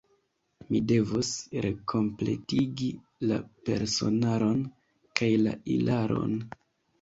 Mi devos rekompletigi la personaron kaj la ilaron.